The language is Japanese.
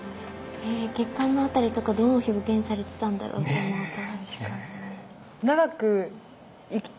血管のあたりとかどう表現されてたんだろうと思うと。